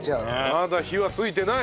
まだ火はついてない。